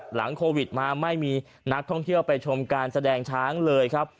หลังโควิดมาไม่มีนักท่องเที่ยวไปชมการแสดงช้างเลยครับ